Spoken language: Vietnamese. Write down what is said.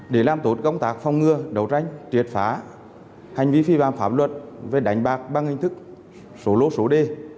để làm tốt công tác phòng ngừa đấu tranh triệt phá hành vi phi phạm pháp luật về đánh bạc bằng hình thức số lô số đề